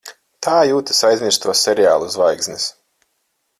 Tā jūtas aizmirsto seriālu zvaigznes.